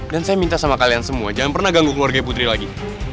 dan saya minta sama kalian semua jangan pernah ganggu keluarga putri lagi